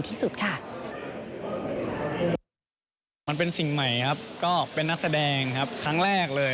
รู้สึกว่าต้องการแต่จะฟื้น